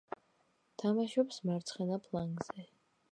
თამაშობს მარცხენა ფლანგზე.